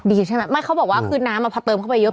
ใช่ไหมไม่เขาบอกว่าคือน้ำอ่ะพอเติมเข้าไปเยอะ